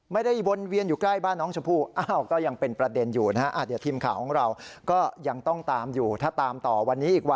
วนเวียนอยู่ใกล้บ้านน้องชมพู่ก็ยังเป็นประเด็นอยู่นะฮะ